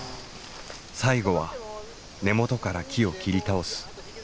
最後は根元から木を切り倒す。